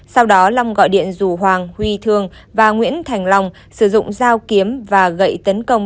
sau đó long gọi điện rủ hoàng huy thương và nguyễn thành long sử dụng dao kiếm và gậy tấn công